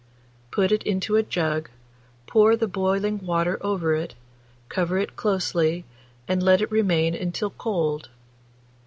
Put it into a jug, pour the boiling water over it, cover it closely, and let it remain until cold.